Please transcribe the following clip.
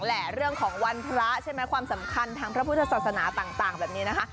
แหละเรื่องของวันพระใช่ไหมความสำคัญทางพระพุทธศาสนาต่างแบบนี้นะคะ